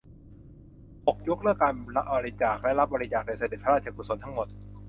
หก ยกเลิกการบริจาคและรับบริจาคโดยเสด็จพระราชกุศลทั้งหมด